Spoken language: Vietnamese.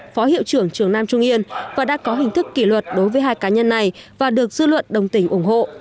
phó hiệu trưởng trường nam trung yên và đã có hình thức kỷ luật đối với hai cá nhân này và được dư luận đồng tình ủng hộ